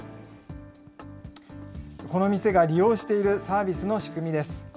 この店が利用しているサービスの仕組みです。